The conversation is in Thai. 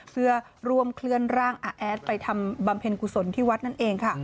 เพื่อร่วมเคลื่อนร่างอาแอดไปทำบำเพ็ญกุศลที่วัดนั่นเองค่ะ